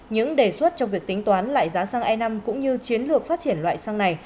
những đề xuất trong việc tính toán lại giá xăng e năm cũng như chiến lược phát triển loại xăng này